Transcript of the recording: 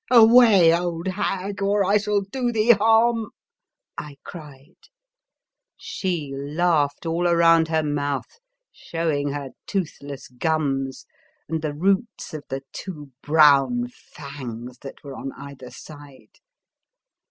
*' Away old hag, or I shall do thee harm!" I cried. She laughed all around her mouth, showing her toothless gums, and the roots of the two brown fangs that were on either side.